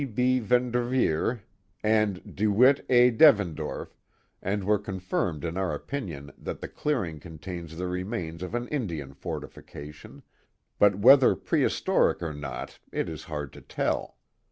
T. B. Van Derveer and Dewitt A. Devendorf, and were confirmed in our opinion that the clear ing contains the remains of an Indian fortification; but whether prehistoric or not, it is hard to tell.